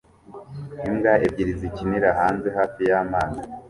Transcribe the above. Imbwa ebyiri zikinira hanze hafi y'amazi